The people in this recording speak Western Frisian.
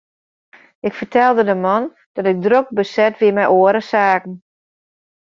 Ik fertelde de man dat ik drok beset wie mei oare saken.